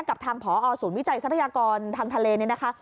กับทางผอศูนย์วิจัยทรัพยากรทางทะเลเนี่ยนะคะ